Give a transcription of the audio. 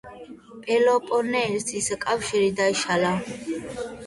პელოპონესის კავშირი დაიშალა.